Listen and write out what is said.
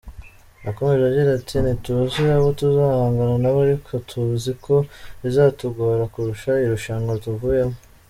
Yakomeje agira ati “Ntituzi abo tuzahangana nabo ariko tuzi ko bizatugora kurusha irushanwa tuvuyemo.